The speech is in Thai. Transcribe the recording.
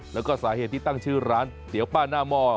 แล้วก็สาเหตุที่ตั้งชื่อร้านเตี๋ยวป้าหน้าหม้อ